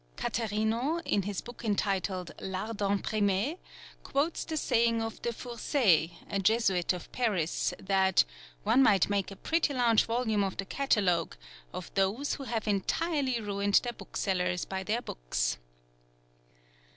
Catherino, in his book entitled L'Art d'Imprimer, quotes the saying of De Fourcey, a Jesuit of Paris, that "one might make a pretty large volume of the catalogue of those who have entirely ruined their booksellers by their books."